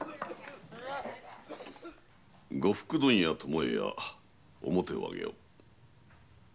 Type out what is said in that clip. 呉服問屋・巴屋面を上げよ。